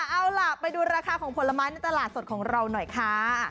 เอาล่ะไปดูราคาของผลไม้ในตลาดสดของเราหน่อยค่ะ